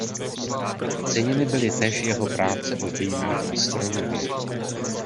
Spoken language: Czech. Ceněny byly též jeho práce o dějinách astronomie.